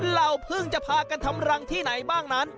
เราเพิ่งจะพากันทำรังที่ไหนบ้างนั้น